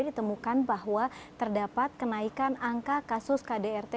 ditemukan bahwa terdapat kenaikan angka kasus kdrt